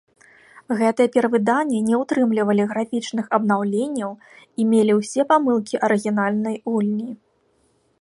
Гэтыя перавыданні не ўтрымлівалі графічных абнаўленняў і мелі ўсе памылкі арыгінальнай гульні.